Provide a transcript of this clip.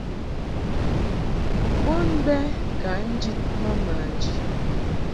Bon bɛ ka njid ma manji.